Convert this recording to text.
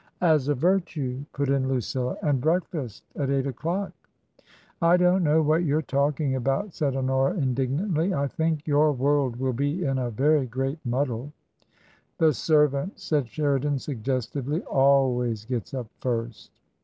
•*As a TjrtMe^'' put in lAicilla. "And break&st at eight o'clock," •• I don't know what you're talking about, said H<Miora, indignantiy ;* I think your world will be in a vcfy great muddle. •The servant, said Sheridan, suggestivdy, "always gels up first.